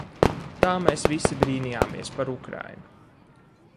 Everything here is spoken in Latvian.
Tā mēs visi brīnījāmies par Ukrainu.